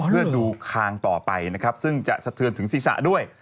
เพื่อดูคางต่อไปนะครับซึ่งจะสะเทือนถึงศีรษะด้วย